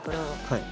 はい。